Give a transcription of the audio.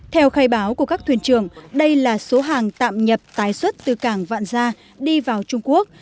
theo khai báo của các thuyền trưởng đây là số hàng tạm nhập tái xuất từ cảng vạn gia đi vào trung quốc